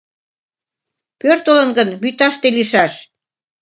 Пӧртылын гын, вӱташте лийшаш.